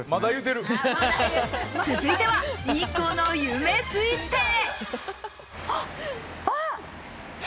続いては日光の有名スイーツ店へ。